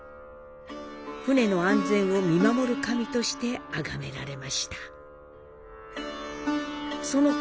船の安全を見守る神としてあがめられました。